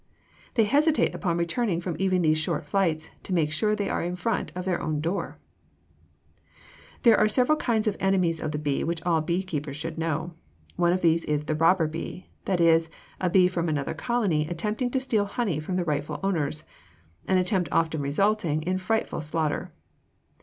They hesitate upon returning from even these short flights, to make sure that they are in front of their own door. [Illustration: FIG. 266. GOOD FORM OF HIVE] There are several kinds of enemies of the bee which all beekeepers should know. One of these is the robber bee, that is, a bee from another colony attempting to steal honey from the rightful owners, an attempt often resulting in frightful slaughter.